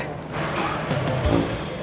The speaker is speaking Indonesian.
tunggu sebentar ya